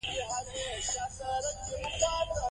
ملالۍ خپل تل پاتې نوم په برخه کړی دی.